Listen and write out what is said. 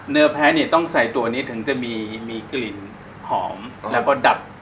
เนื้อแพ้เนี่ยต้องใส่ตัวนี้ถึงจะมีกลิ่นหอมแล้วก็ดับ